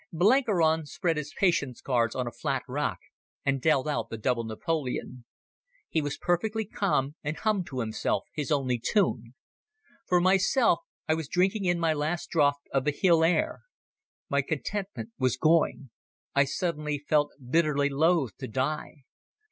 Blenkiron spread his Patience cards on a flat rock, and dealt out the Double Napoleon. He was perfectly calm, and hummed to himself his only tune. For myself I was drinking in my last draught of the hill air. My contentment was going. I suddenly felt bitterly loath to die.